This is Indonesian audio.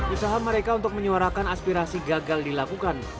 usaha mereka untuk menyuarakan aspirasi gagal dilakukan